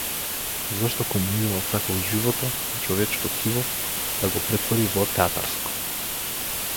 Зошто комунизмот сакал живото, човечко ткиво да го претвори во театарско?